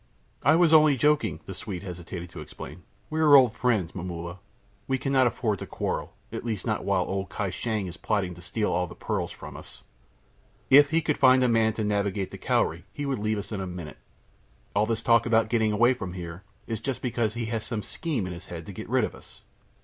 "I was only joking," the Swede hastened to explain. "We are old friends, Momulla; we cannot afford to quarrel, at least not while old Kai Shang is plotting to steal all the pearls from us. If he could find a man to navigate the Cowrie he would leave us in a minute. All his talk about getting away from here is just because he has some scheme in his head to get rid of us."